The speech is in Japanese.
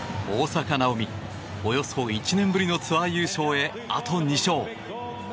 大坂なおみおよそ１年ぶりのツアー優勝へあと２勝。